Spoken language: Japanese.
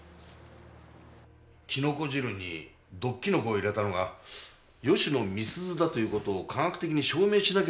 キノコ汁に毒キノコを入れたのが吉野美鈴だということを科学的に証明しなければいけないんだよね。